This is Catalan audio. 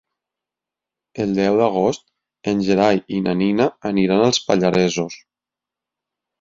El deu d'agost en Gerai i na Nina aniran als Pallaresos.